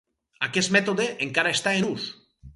Aquest mètode encara està en ús.